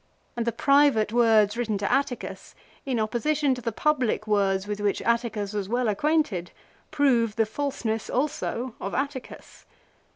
And the private words written to Atticus, in opposition to the public words with which Atticus was well acquainted, prove the falseness also of Atticus.